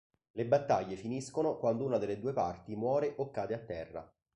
Le battaglie finiscono quando una delle due parti muore o cade a terra.